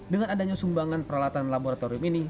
dengan adanya sumbangan peralatan laboratorium ini